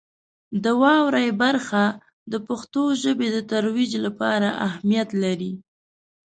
د واورئ برخه د پښتو ژبې د ترویج لپاره اهمیت لري.